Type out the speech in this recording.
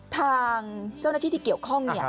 ทางเจ้าหน้าที่ที่เกี่ยวข้อง